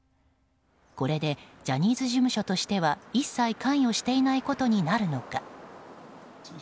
これでジャニーズ事務所としては一切関与していないことになるのか。